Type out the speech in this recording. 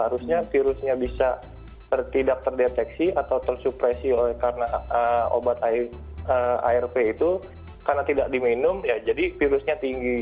harusnya virusnya bisa tidak terdeteksi atau tersupresi oleh karena obat arv itu karena tidak diminum ya jadi virusnya tinggi